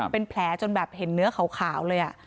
เป็นแผลจนแบบเห็นเนื้อขาวเลย